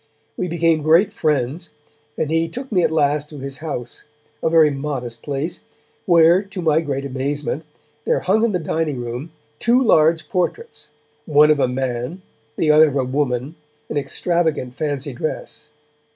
We became great friends, and he took me at last to his house, a very modest place, where to my great amazement, there hung in the dining room, two large portraits, one of a man, the other of a woman, in extravagant fancy dress.